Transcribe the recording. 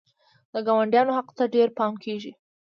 د ګاونډیانو حق ته ډېر پام کیږي.